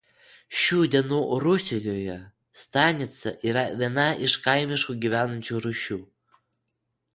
Šių dienų Rusijoje stanica yra viena iš kaimiškų gyvenviečių rūšių.